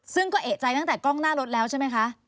ซึ่งก็เอกใจตั้งแต่กล้องหน้ารถแล้วใช่ไหมคะ